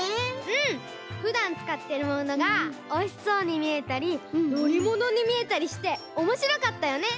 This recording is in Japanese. うんふだんつかってるものがおいしそうにみえたりのりものにみえたりしておもしろかったよね！